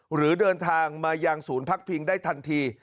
หรือเดินทางมายังศูนย์พักพิงได้ทันที